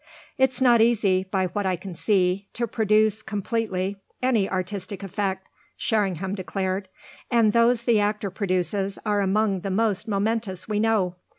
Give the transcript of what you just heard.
"It's not easy, by what I can see, to produce, completely, any artistic effect," Sherringham declared; "and those the actor produces are among the most momentous we know.